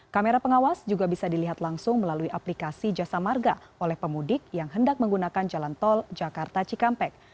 kamera pengawas juga bisa dilihat langsung melalui aplikasi jasa marga oleh pemudik yang hendak menggunakan jalan tol jakarta cikampek